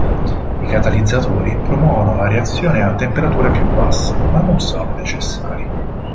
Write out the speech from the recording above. I catalizzatori promuovono la reazione a temperature più basse, ma non sono necessari.